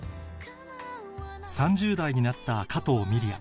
３０代になった加藤ミリヤ